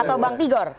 atau bang tigor